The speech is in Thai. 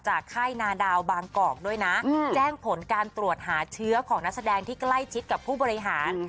ค่ายนาดาวบางกอกด้วยนะแจ้งผลการตรวจหาเชื้อของนักแสดงที่ใกล้ชิดกับผู้บริหาร